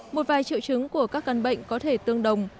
một vài triệu chứng của các căn bệnh có thể tương đồng